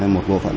một bộ phận